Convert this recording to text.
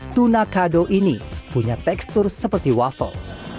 tuna kado ini punya tekstur seperti waffle